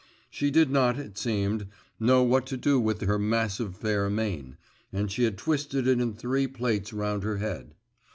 She did not, it seemed, know what to do with her massive fair mane, and she had twisted it in three plaits round her head.